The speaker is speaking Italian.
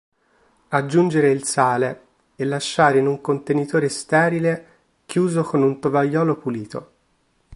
Aggiungere il sale e lasciare in un contenitore sterile chiuso con un tovagliolo pulito.